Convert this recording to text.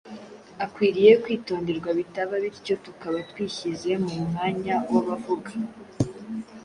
akwiriye kwitonderwa bitaba bityo tukaba twishyize mu mwanya w’abavuga